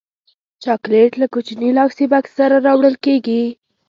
چاکلېټ له کوچني لاسي بکس سره راوړل کېږي.